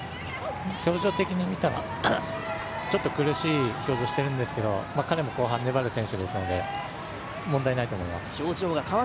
表情的に見たら、ちょっと苦しい表情してるんですけど、彼も後半粘る選手ですので問題ないです。